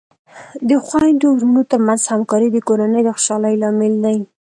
د خویندو ورونو ترمنځ همکاري د کورنۍ د خوشحالۍ لامل دی.